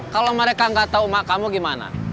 kalau mereka gak tahu emak kamu gimana